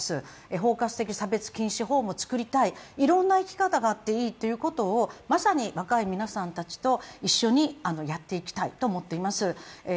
包括的差別禁止法もつくりたい、いろんな生き方があっていいということをまさに若い皆さんたちと一緒にやっていきたいと思っています。